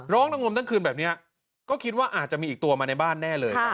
ระงมทั้งคืนแบบนี้ก็คิดว่าอาจจะมีอีกตัวมาในบ้านแน่เลย